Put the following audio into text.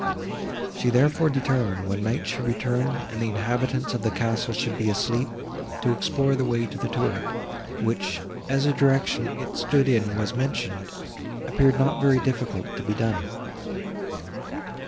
She, therefore, determined, when night should return, and the inhabitants of the castle should be asleep, to explore the way to the turret, which, as the direction it stood in was mentioned, appeared not very difficult to be done.